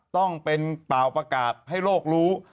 ต้องเป็นเป่าประกาศให้โลกรู้